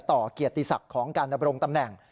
เกียรติศักดิ์ของการดำรงตำแหน่ง